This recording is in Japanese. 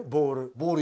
ボール。